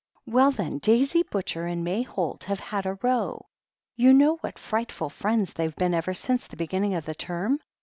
"Well, then, Daisy Butcher and May Holt have had a row. You know what frightful friends they've been ever since the beginning of the term?